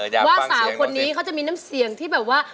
ว่าสาวคนนี้เขาจะมีน้ำเสียงที่แบบว่า